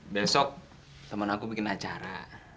besok teman aku bikin acara